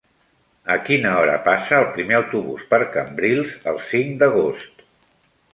A quina hora passa el primer autobús per Cambrils el cinc d'agost?